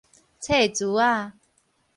冊苴仔